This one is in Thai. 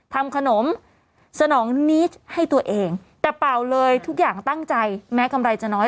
ทำขนมสนองนี้ให้ตัวเองแต่เป่าเลยทุกอย่างตั้งใจแม้กำไรจะน้อย